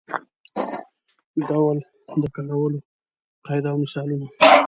ډول د کارولو قاعده او مثالونه.